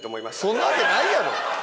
そんなわけないやろ！